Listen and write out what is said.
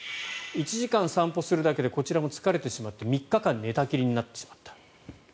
１時間散歩するだけでこちらも疲れてしまって３日間寝たきりになってしまった。